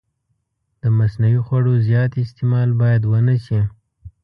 د مصنوعي خوږو زیات استعمال باید ونه شي.